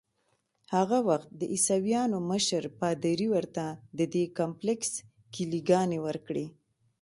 هغه وخت د عیسویانو مشر پادري ورته ددې کمپلیکس کیلې ګانې ورکړې.